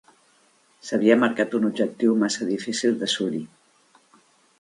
S'havia marcat un objectiu massa difícil d'assolir.